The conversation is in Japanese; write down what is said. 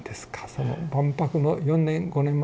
その万博の４５年前。